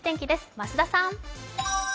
増田さん。